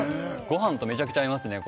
ごはんとめちゃくちゃ合いますね